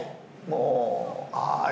もうああ